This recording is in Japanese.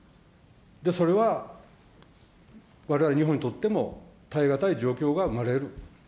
それはわれわれ日本にとっても、耐え難い状況が生まれる。